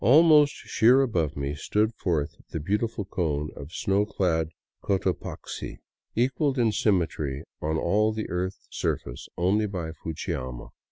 Almost sheer above me stood forth the beautiful cone of snow clad Cotopaxi, equalled in symmetry on all the earth's surface only by Fujiyama.